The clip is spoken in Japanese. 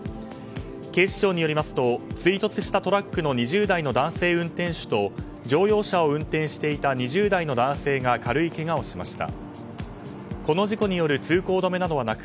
警視庁によりますと追突したトラックの２０代の男性運転手と乗用車を運転していた２０代の男性が軽いけがをしました。